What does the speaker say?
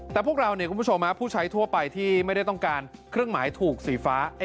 แต่พวกเราเนี่ยคุณผู้ชมผู้ใช้ทั่วไปที่ไม่ได้ต้องการเครื่องหมายถูกสีฟ้า